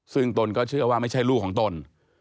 ซึ่งตนก็เชื่อว่าไม่ใช่ลูกของตน